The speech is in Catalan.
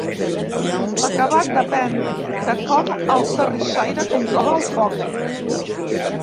L'acabat depèn de com el terrissaire controla el foc.